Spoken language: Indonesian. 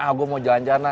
ah gue mau jalan jalan